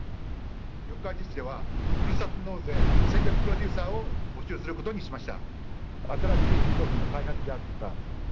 四日市市ではふるさと納税戦略プロデューサーを募集することにしました。